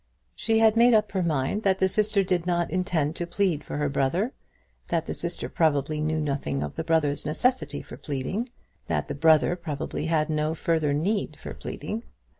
She had made up her mind that the sister did not intend to plead for her brother, that the sister probably knew nothing of the brother's necessity for pleading, that the brother probably had no further need for pleading!